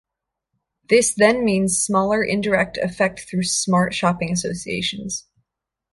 This then means smaller indirect effect through smart shopping associations.